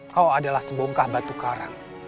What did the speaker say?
kau adalah sebongkah batu karang